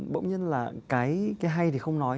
bỗng nhiên là cái hay thì không nói